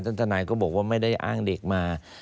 ทนายก็บอกว่าไม่ได้อ้างเด็กมา